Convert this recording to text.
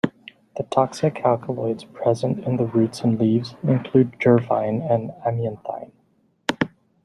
The toxic alkaloids present in the roots and leaves include jervine and amianthine.